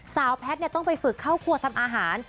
แพทย์ต้องไปฝึกเข้าครัวทำอาหาร